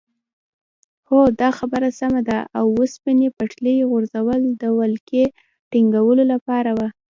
هو دا خبره سمه ده د اوسپنې پټلۍ غځول د ولکې ټینګولو لاره وه.